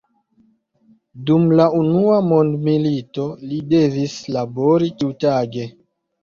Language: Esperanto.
Dum la unua mondmilito li devis labori ĉiutage.